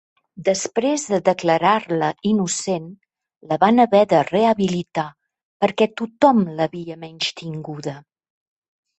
Després de declarar-la innocent, la van haver de rehabilitar perquè tothom l'havia menystinguda.